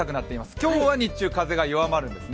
今日は日中、風が弱まるんですね。